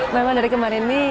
memang dari kemarin ini